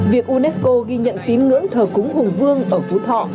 việc unesco ghi nhận tín ngưỡng thờ cúng hùng vương ở phú thọ